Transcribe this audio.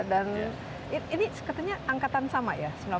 dan ini katanya angkatan sama ya sembilan puluh tujuh ya